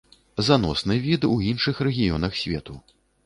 Заносны від у іншых рэгіёнах свету.